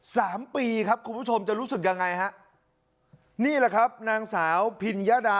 สามปีครับคุณผู้ชมจะรู้สึกยังไงฮะนี่แหละครับนางสาวพิญญาดา